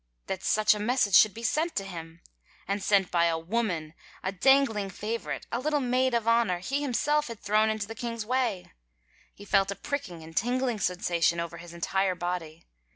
That such a message should be sent to him 1 And sent by a woman, a dangling favorite, a little maid of honor he himself had thrown into the king's way 1 He felt a pricking and tingling sensation over his entire body.